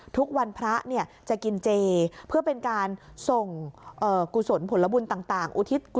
ทุกวันพระจะกินเจเพื่อเป็นการส่งกุศลผลบุญต่าง